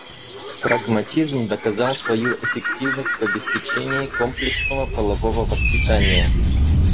Прагматизм доказал свою эффективность в обеспечении комплексного полового воспитания.